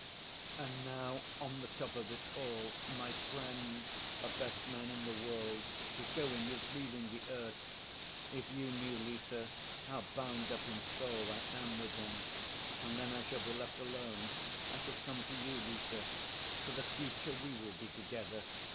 "And now on the top of it all, my friend, the best man in the world, is going, is leaving the earth! If you knew, Lise, how bound up in soul I am with him! And then I shall be left alone.... I shall come to you, Lise.... For the future we will be together."